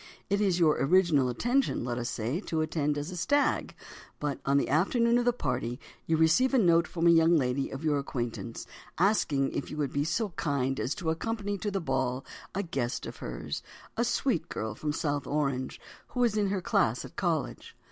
It is your original intention, let us say, to attend as a "stag," but on the afternoon of the party you receive a note from a young lady of your acquaintance asking if you would be so kind as to accompany to the ball a guest of hers, a "sweet girl from South Orange" who was in her class at college.